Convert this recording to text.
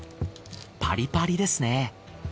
パリパリですね。